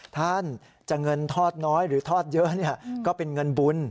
ท่านจะเงินทอดน้อยหรือทอดเยอะก็เป็นเงินบุญ